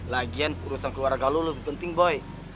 lagian urusan keluarga lo lebih penting boy